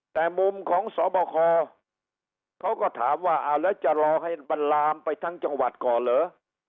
แต่มุมของสบคเขาก็ถามว่าเอาแล้วจะรอให้มันลามไปทั้งจังหวัดก่อนเหรอ